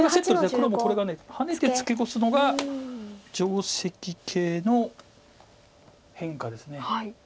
黒もこれがハネてツケコすのが定石形の変化です。